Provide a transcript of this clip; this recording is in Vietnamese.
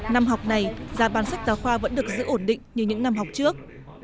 năm học này giá bán sách giáo khoa vẫn được giữ ổn định như những năm học trước